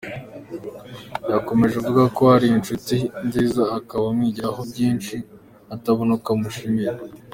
Yakomeje avuga ko ari inshuti nziza, akaba amwigiraho byinshi atabona uko amushimira.